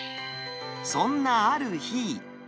そんなある日。